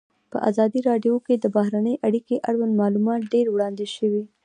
په ازادي راډیو کې د بهرنۍ اړیکې اړوند معلومات ډېر وړاندې شوي.